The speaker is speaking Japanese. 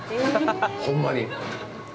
ほんまに！